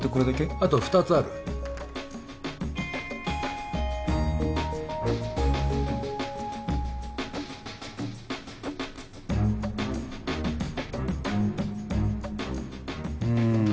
あと二つあるうん